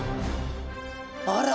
あら！